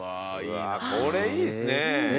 これいいっすね。